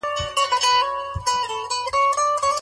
طبي انجینري څه ده؟